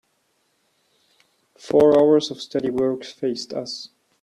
Four hours of steady work faced us.